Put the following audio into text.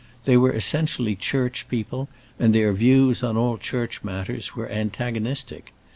They were essentially church people, and their views on all church matters were antagonistic.